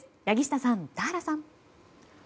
柳下さん、田原さん。